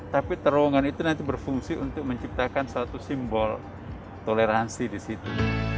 tapi terowongan itu nanti berfungsi untuk menciptakan satu simbol toleransi di situ